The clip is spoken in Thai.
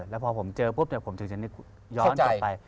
แล้วพอผมเจอปุ๊บผมถึงจะนึกย้อนกลับไป